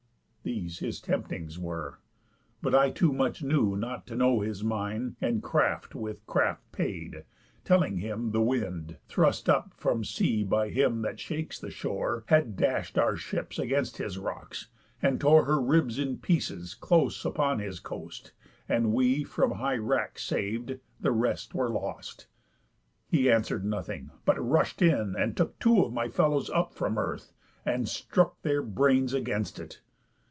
These his temptings were; But I too much knew not to know his mind, And craft with craft paid, telling him the wind (Thrust up from sea by Him that shakes the shore) Had dash'd our ships against his rocks, and tore Her ribs in pieces close upon his coast, And we from high wrack sav'd, the rest were lost. He answer'd nothing, but rush'd in, and took Two of my fellows up from earth, and strook Their brains against it.